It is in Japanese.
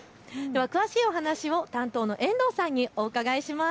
詳しいお話を担当の遠藤さんにお伺いします。